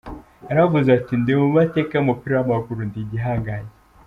Yaravuze ati: 'Ndi mu mateka y'umupira w'amaguru, ndi igihangange.